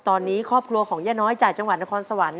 ตอนนี้ครอบครัวของย่าน้อยจากจังหวัดนครสวรรค์